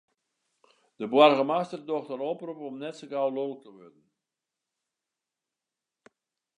De boargemaster docht in oprop om net sa gau lulk te wurden.